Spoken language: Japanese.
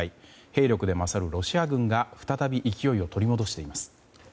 兵力で勝るロシア軍が再び勢いを取り戻しています。